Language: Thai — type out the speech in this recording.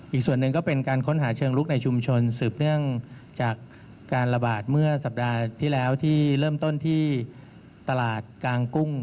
อีกส่วนหนึ่งก็เป็นการค้นหาเชิงลุกในชุมชนสืบเนื่องจากการระบาดเมื่อสัปดาห์ที่แล้วที่เริ่มต้นที่ตลาดกลางกุ้ง